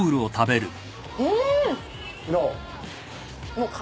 うーん！どう？